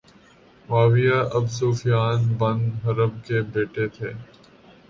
معاویہ Abu Sufyan bin Harb کے بیٹے تھے